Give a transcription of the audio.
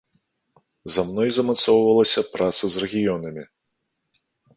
За мной замацоўвалася праца з рэгіёнамі.